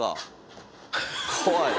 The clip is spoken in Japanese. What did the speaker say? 怖い。